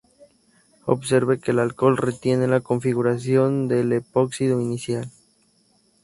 Observe que el alcohol retiene la configuración del epóxido inicial.